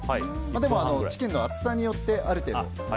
でも、チキンの厚さによってある程度。